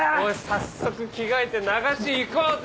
「早速着替えて流し行こうぜ！」